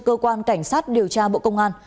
cơ quan cảnh sát điều tra bộ công an